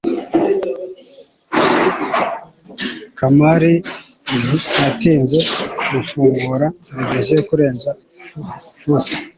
kamari ntiyatinze gufungura televiziyo kurenza fuse